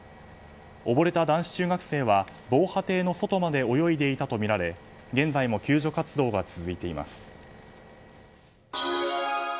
溺れた男子中学生は防波堤の外まで泳いでいたとみられ現在も救助活動が続いています。